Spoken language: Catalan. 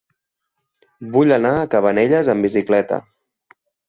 Vull anar a Cabanelles amb bicicleta.